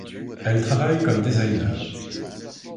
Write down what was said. Elles travaillent comme designers.